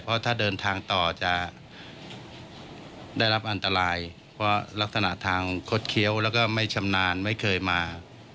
เพราะถ้าเดินทางต่อจะได้รับอันตรายเพราะลักษณะทางคดเคี้ยวแล้วก็ไม่ชำนาญไม่เคยมา